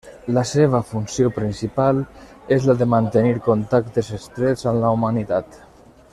La seva funció principal és la de mantenir contactes estrets amb la humanitat.